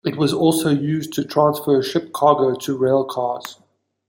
It also was used to transfer ship cargo to rail cars.